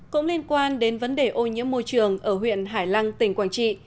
cũng liên quan đến vấn đề ô nhiễm môi trường ở huyện hải lăng tỉnh quảng trị